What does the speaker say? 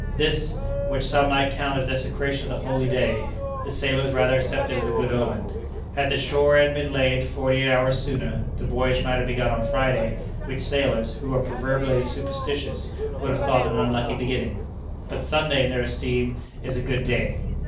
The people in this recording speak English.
This which some might count a desecration of the holy day the sailors rather accepted as a good omen. Had the shore end been laid forty eight hours sooner, the voyage might have begun on Friday, which sailors, who are proverbially superstitious, would have thought an unlucky beginning. But Sunday, in their esteem, is a good day.